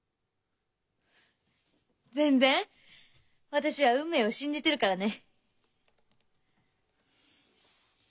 私は運命を信じてるからね。